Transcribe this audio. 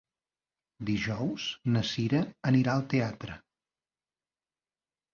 Dijous na Cira anirà al teatre.